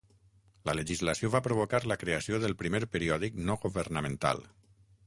La legislació va provocar la creació del primer periòdic no-governamental.